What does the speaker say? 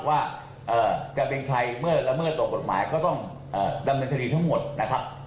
ว่าจะเป็นใครเมื่อละเมิดต่อกฎหมายก็ต้องดำเนินคดีทั้งหมดนะครับ